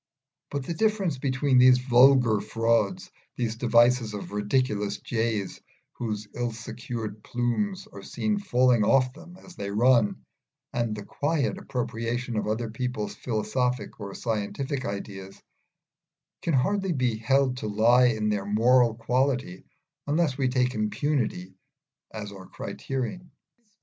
But the difference between these vulgar frauds, these devices of ridiculous jays whose ill secured plumes are seen falling off them as they run, and the quiet appropriation of other people's philosophic or scientific ideas, can hardly be held to lie in their moral quality unless we take impunity as our criterion.